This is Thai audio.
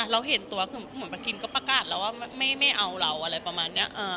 เราเห็นตัวคือเหมือนประคิมก็ประกาศแล้วว่าไม่เอาเราอะไรประมาณนี้